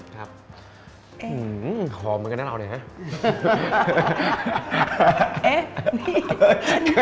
ครับหอมเหมือนกันนะเราเนี่ยฮะ